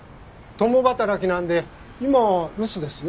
共働きなので今は留守ですよ。